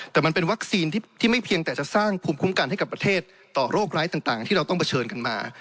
แต่มันเป็นวัคซีนที่ไม่เพียงแต่จะสร้างภูมิคุ้มกันให้กับประเทศต่อโรคร้ายต่างที่เราต้องเผชิญกันมา